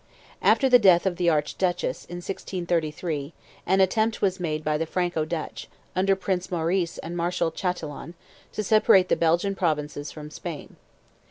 After the death of the Archduchess, in 1633, an attempt was made by the Franco Dutch, under Prince Maurice and Marshal Chatillon, to separate the Belgian Provinces from Spain.